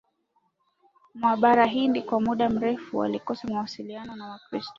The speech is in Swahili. mwa Bara Hindi Kwa muda mrefu walikosa mawasiliano na Wakristo